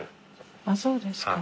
ああそうですか。